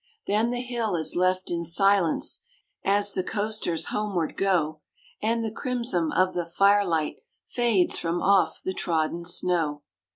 Then the hill is left in silence As the coasters homeward go, And the crimson of the fire light Fades from off the trodden snow.